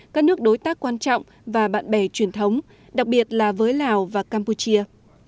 các nước đối tác quan trọng và bạn bè truyền thống đặc biệt là với lào và campuchia